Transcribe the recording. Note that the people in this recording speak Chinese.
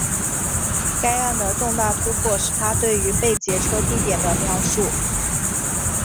该案的重大突破是她对于被劫车地点的描述。